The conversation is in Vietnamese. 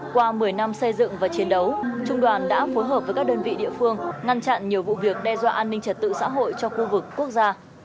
qua một mươi năm xây dựng và chiến đấu trung đoàn đã phối hợp với các đơn vị địa phương ngăn chặn nhiều vụ việc đe dọa an ninh trật tự xã hội cho khu vực quốc gia